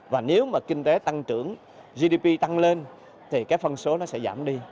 và nếu mà kinh tế tăng trưởng gdp tăng lên thì cái phân số nó sẽ giảm đi